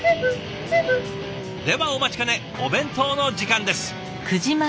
ではお待ちかねお弁当の時間です。